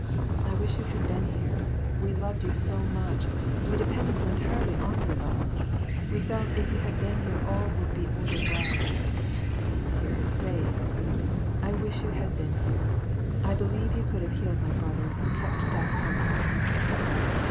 " I wish you had been here. We loved you so much. We depended so entirely on your love. We felt if you had been here all would be ordered well." Here is faith. I wish you had been here. I believe yon could have healed my brother, and kept death from him."